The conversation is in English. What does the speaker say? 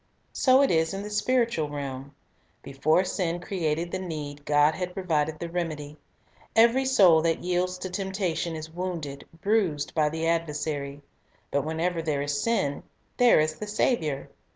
So it is in the spiritual realm. Before sin created the need, God had provided the remedy. Every soul that yields to temptation is wounded, bruised, by the adversary; but wherever there is sin, there is the Saviour.